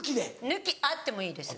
抜きあってもいいです。